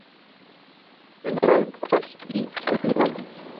General Paz y Av.